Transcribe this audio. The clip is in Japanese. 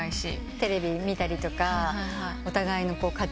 テレビ見たりとかお互いの活躍って。